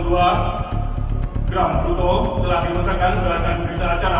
bruto telah dimusahkan berhasil diberi teracara